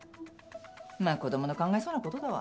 まあ子供の考えそうなことだわ。